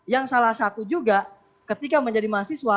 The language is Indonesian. yang salah satu juga ketika menjadi mahasiswa